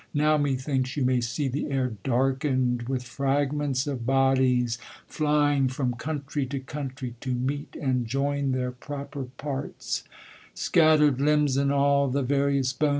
Now methinks you may seethe air darkened with fragments of bouics, fl3Mng from country to countrv, to meet and join their proper parts :" Scatter'd limbs and all The various boiK?